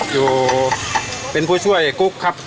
อยู่เป็นผู้ช่วยกุ๊กครับ